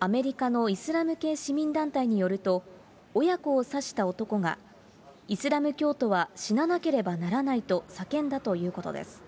アメリカのイスラム系市民団体によると、親子を刺した男が、イスラム教徒は死ななければならないと叫んだということです。